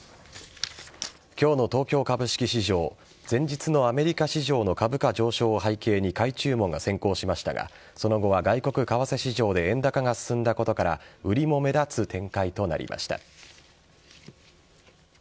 今日の東京株式市場前日のアメリカ市場の株価上昇を背景に買い注文が先行しましたがその後は外国為替市場で円高が進んだことから売りも目立つ展開となりました。